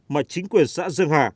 mà chính quyền xã dương hà